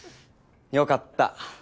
よかった。